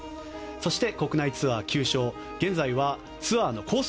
そして、国内ツアー９勝現在はツアーのコース